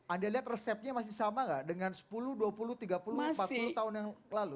anda lihat resepnya masih sama nggak dengan sepuluh dua puluh tiga puluh empat puluh tahun yang lalu